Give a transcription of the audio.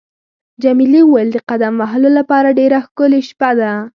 جميلې وويل: د قدم وهلو لپاره ډېره ښکلې شپه ده.